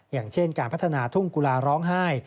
อย่างเช่นการพัฒนาทุ่งกุลาร้องไห้